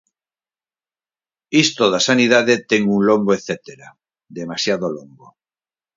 Isto da sanidade ten un longo etcétera, demasiado longo.